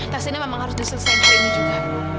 tersini memang harus diselesaikan hari ini juga